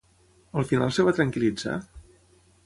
Al final es va tranquil·litzar?